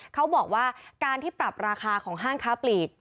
เขาบอกว่าการที่ปรับราคาของห้างค้าปลีก